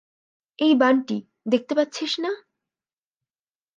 এই বান্টি, দেখতে পাচ্ছিস না?